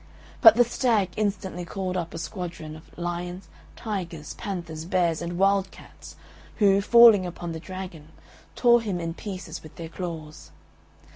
But the Stag instantly called up a squadron of lions, tigers, panthers, bears, and wild cats, who, falling upon the dragon, tore him in pieces with their claws.